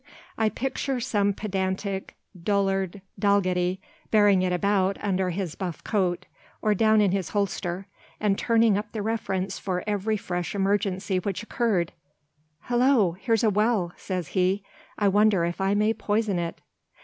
I picture some pedantic Dugald Dalgetty bearing it about under his buff coat, or down in his holster, and turning up the reference for every fresh emergency which occurred. "Hullo! here's a well!" says he. "I wonder if I may poison it?"